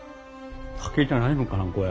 酒じゃないのかなこれ。